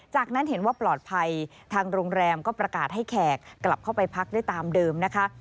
จากนั้นเห็นว่าปลอดภัยทางโรงแรมก็ประกาศให้แขกกลับเข้าไปพักได้ตามเดิมนะคะ